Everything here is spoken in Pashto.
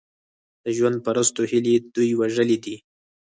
د ژوند پرستو هیلې دوی وژلي دي.